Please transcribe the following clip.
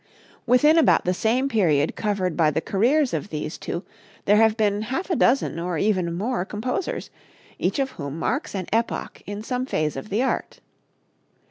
Within about the same period covered by the careers of these two there have been half a dozen or even more composers, each of whom marks an epoch in some phase of the art.